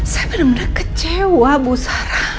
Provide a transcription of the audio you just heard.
saya kecewa bu sarah